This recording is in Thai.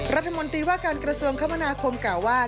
รัฐมนตรีว่าการกระทรวงคมนาคมกล่าวว่า